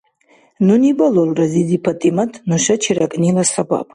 Нуни балулра зизи ПатӀимат нушачи ракӀнила сабаб.